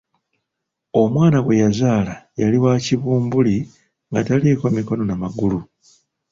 Omwana gwe yazaala yali wa kibumbuli nga taliiko mikono na magulu.